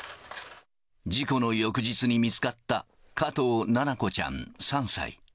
事故の翌日に見つかった加藤七菜子ちゃん３歳。